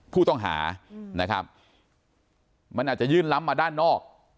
ผู้ต้องหานะครับมันอาจจะยื่นล้ำมาด้านนอก